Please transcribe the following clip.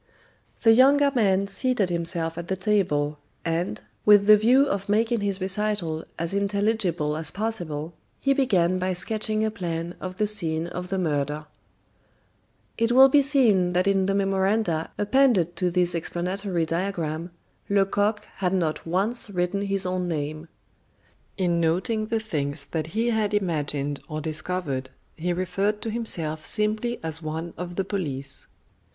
The younger man seated himself at the table, and, with the view of making his recital as intelligible as possible, he began by sketching a plan of the scene of the murder. [[Graphic Omitted]] It will be seen that in the memoranda appended to this explanatory diagram, Lecoq had not once written his own name. In noting the things that he had imagined or discovered, he referred to himself simply as one of the police.